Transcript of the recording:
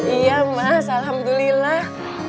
iya mas alhamdulillah